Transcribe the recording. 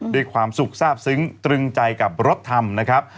ด้วยความสุขทราบซึ้งตรึงใจกับรถทำนะครับ